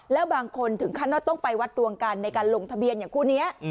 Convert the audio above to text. แล้วบางคนถึงขั้นว่าต้องไปวัดดวงกันในการลงทะเบียนอย่างคู่นี้